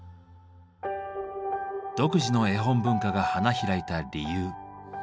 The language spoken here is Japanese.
独自の絵本文化が花開いた理由。